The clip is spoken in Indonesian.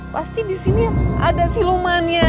pasti di sini ada silumannya